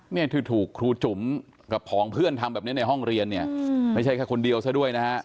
เนี่ยที่ถูกครูจุ๋มกับผองเพื่อนทำแบบนี้ในห้องเรียนเนี่ยไม่ใช่แค่คนเดียวซะด้วยนะฮะ